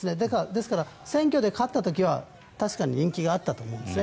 ですから選挙で勝った時は確かに人気があったと思うんですね。